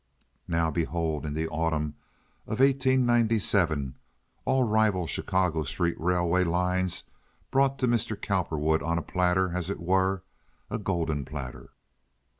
Now behold in the autumn of 1897 all rival Chicago street railway lines brought to Mr. Cowperwood on a platter, as it were—a golden platter.